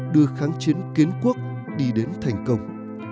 đưa kháng chiến kiến quốc đi đến thành công